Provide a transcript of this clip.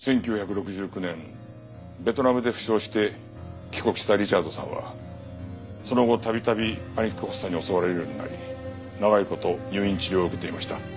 １９６９年ベトナムで負傷して帰国したリチャードさんはその後度々パニック発作に襲われるようになり長い事入院治療を受けていました。